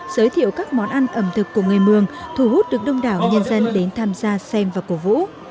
giới thiệu các món ăn ẩm thực của người mường thu hút được đông đảo nhân dân đến tham gia xem và cổ vũ